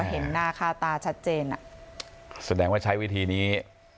เห็นหน้าค่าตาชัดเจนอ่ะแสดงว่าใช้วิธีนี้